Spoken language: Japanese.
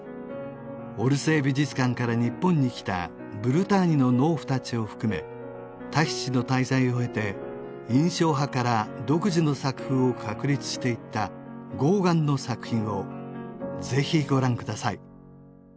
オルセー美術館から日本に来た「ブルターニュの農婦たち」を含めタヒチの滞在をへて印象派から独自の作風を確立していったゴーガンの作品をぜひご覧ください